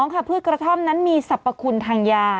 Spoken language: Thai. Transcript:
ค่ะพืชกระท่อมนั้นมีสรรพคุณทางยา